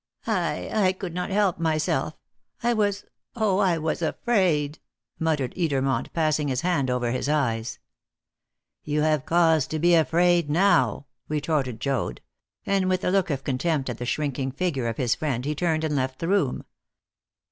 "I I could not help myself. I was oh, I was afraid," muttered Edermont, passing his hand over his eyes. "You have cause to be afraid now," retorted Joad; and with a look of contempt at the shrinking figure of his friend he turned and left the room.